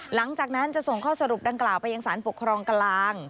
หลังจากนั้นจะส่งข้อสรุปดังกล่าวไปยังสารปกครองกลาง